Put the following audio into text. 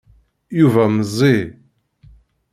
Yuba meẓẓi.